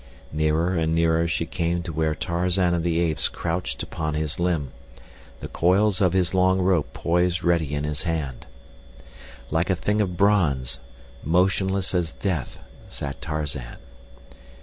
Nearer and nearer she came to where Tarzan of the Apes crouched upon his limb, the coils of his long rope poised ready in his hand. Like a thing of bronze, motionless as death, sat Tarzan.